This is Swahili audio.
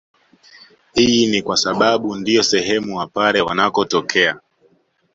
Hii ni kwasababu ndiyo sehem wapare wanakotokea